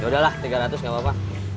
ya udah lah tiga ratus gak apa apa